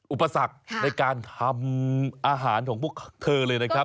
อุปสรรคในการทำอาหารของพวกเธอเลยนะครับ